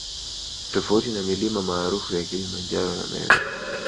Tofauti na milima maarufu ya Kilimanjaro na Meru